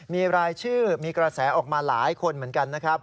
มีรายชื่อมีกระแสออกมาหลายคนเหมือนกันนะครับ